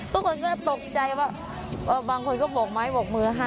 ทุกคนก็ตกใจว่าบางคนก็บอกไม้โบกมือให้